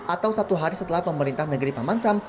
atau satu hari setelah pemerintah negeri paman sam